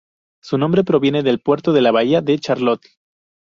Su nombre proviene del puerto de la bahía de Charlotte.